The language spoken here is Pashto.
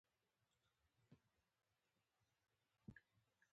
پاچاهانو ډېر شمېر سرتیري وګمارل.